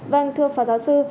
vâng thưa phó giáo sư